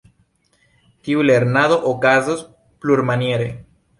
Tiu lernado okazos plurmaniere.